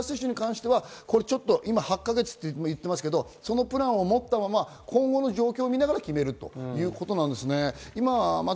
ブースター接種に関しては８か月と言っていますが、プランを持ったまま、今後の状況を見ながら決めるということです。